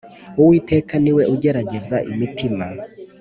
Uwiteka ni we ugerageza imitima